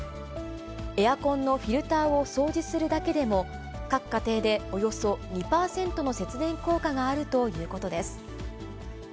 エアコンのフィルターを掃除するだけでも、各家庭でおよそ２％の節電効果があるということです。